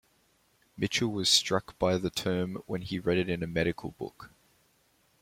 Mitchell was struck by the term when he read it in a medical book.